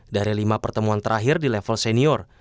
dari lima pertemuan terakhir di level senior